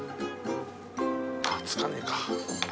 あっ付かねえか。